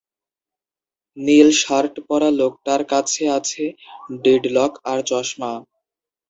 নীল shirt পরা লোকটার কাছে আছে ডীডলক আর চশমা।